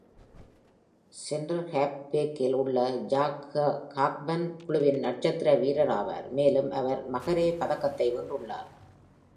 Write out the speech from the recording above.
Centre ஹாஃப்-பேக்கில் உள்ள Jack Cockburn குழுவின் நட்சத்திர வீரராவார் மேலும் அவர் மகரே பதக்கத்தை வென்றுள்ளார்.